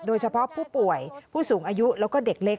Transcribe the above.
โดยเฉพาะผู้ป่วยผู้สูงอายุแล้วก็เด็กเล็ก